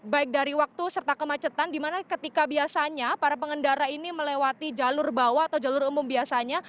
baik dari waktu serta kemacetan dimana ketika biasanya para pengendara ini melewati jalur bawah atau jalur umum biasanya